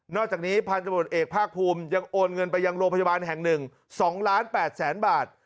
อกจากนี้พันธบทเอกภาคภูมิยังโอนเงินไปยังโรงพยาบาลแห่ง๑๒ล้าน๘แสนบาท